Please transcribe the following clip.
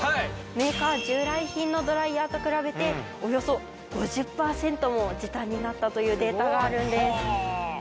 メーカー従来品のドライヤーと比べておよそ５０パーセントも時短になったというデータがあるんです。